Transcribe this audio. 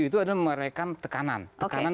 itu merekam tekanan